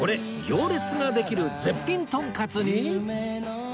行列ができる絶品とんかつに